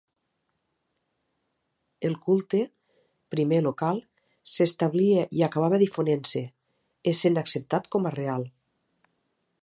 El culte, primer local, s'establia i acabava difonent-se, essent acceptat com a real.